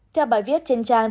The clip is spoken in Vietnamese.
theo bài viết trên trang